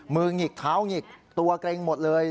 มือหงิกขาวหงิกตัวเกรงหมดเลย